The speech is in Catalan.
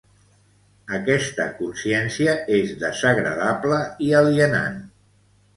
Aquesta consciència és desagradable i alienant.